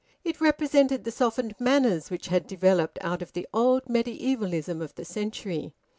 It represented the softened manners which had developed out of the old medievalism of the century.